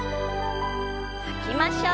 吐きましょう。